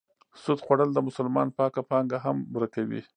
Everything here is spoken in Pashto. سود خوړل د مسلمان پاکه پانګه هم ورکوي.